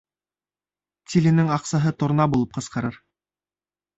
Тиленең аҡсаһы торна булып ҡысҡырыр.